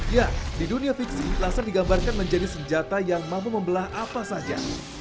ya di dunia fiksi laser digambarkan menjadi senjata yang mampu membelah apa saja